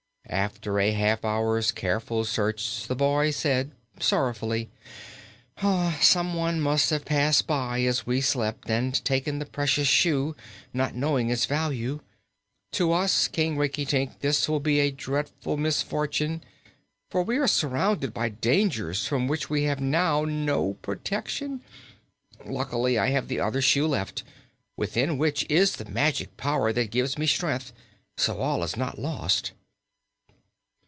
After a half hour's careful search the boy said sorrowfully: "Someone must have passed by, as we slept, and taken the precious shoe, not knowing its value. To us, King Rinkitink, this will be a dreadful misfortune, for we are surrounded by dangers from which we have now no protection. Luckily I have the other shoe left, within which is the magic power that gives me strength; so all is not lost."